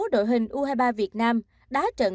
đội hình u hai mươi ba việt nam đã trận